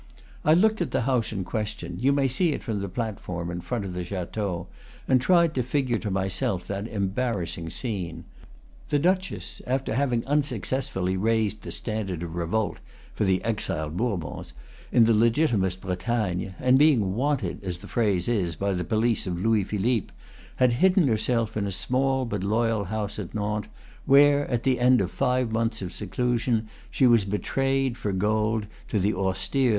I looked at the house in question you may see it from the platform in front of the chateau and tried to figure to myself that embarrassing scene. The duchess, after having unsuccessfully raised the standard of revolt (for the exiled Bourbons), in the legitimist Bretagne, and being "wanted," as the phrase is, by the police of Louis Philippe, had hidden herself in a small but loyal house at Nantes, where, at the end of five months of seclusion, she was betrayed, for gold, to the austere M.